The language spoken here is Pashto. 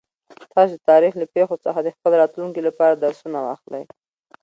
تاسو د تاریخ له پېښو څخه د خپل راتلونکي لپاره درسونه واخلئ.